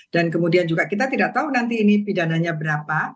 dan kemudian juga kita tidak tahu nanti ini pidananya berapa